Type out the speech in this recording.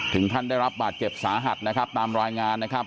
ท่านได้รับบาดเจ็บสาหัสนะครับตามรายงานนะครับ